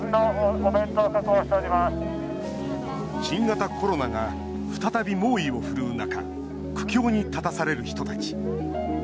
新型コロナが再び猛威を振るう中苦境に立たされる人たち。